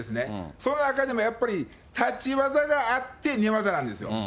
その中でもやっぱり、立ち技があって、寝技なんですよ。